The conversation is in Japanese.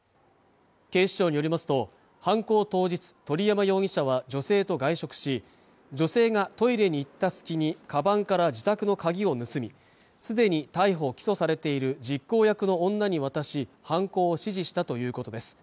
警視庁によりますと犯行当日鳥山容疑者は女性と外食し女性がトイレに行った隙にかばんから自宅の鍵を盗みすでに逮捕起訴されている実行役の女に渡し犯行を指示したということです